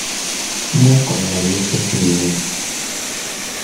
Mmuqqel ɣer yifassen-nnem.